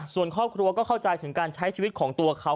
ส่วนครอบครัวก็เข้าใจถึงการใช้ชีวิตของตัวเขา